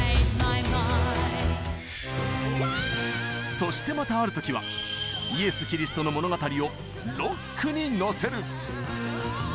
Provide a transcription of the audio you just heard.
そしてまたある時はイエス・キリストの物語をロックにのせる！